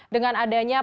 dengan adanya potensi